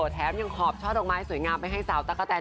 แถมยังหอบช่อดอกไม้สวยงามไปให้สาวตั๊กกะแนน